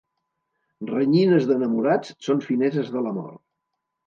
Renyines d'enamorats són fineses de l'amor.